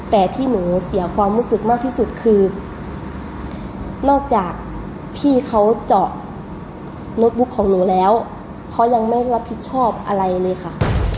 แต่ที่หนูเสียความรู้สึกมากที่สุดคือนอกจากพี่เขาเจาะโน้ตบุ๊กของหนูแล้วเขายังไม่รับผิดชอบอะไรเลยค่ะ